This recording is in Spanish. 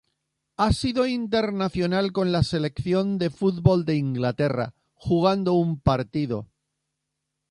Ha sido internacional con la selección de fútbol de Inglaterra, jugando un partido.